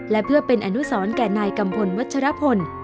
และเพื่อเป็นอนุสรแก่นายกัมพลวัชรพล